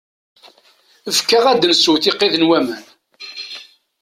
Efk-aɣ ad nsew tiqit n waman.